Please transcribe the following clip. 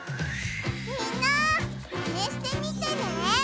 みんなマネしてみてね！